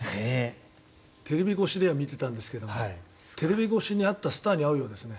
テレビ越しでは見ていたんですがテレビ越しに会っていたスターに会うようですね。